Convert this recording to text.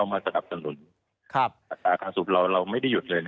ภาษาการสูบเราเราไม่ได้หยุดเลย